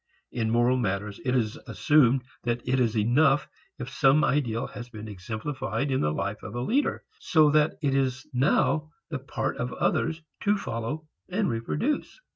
In moral matters it is assumed that it is enough if some ideal has been exemplified in the life of a leader, so that it is now the part of others to follow and reproduce.